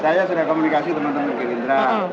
saya sudah komunikasi teman teman gerindra